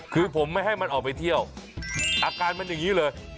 คือผมไม่ให้มันออกไปเที่ยวอาการมันอย่างนี้เลย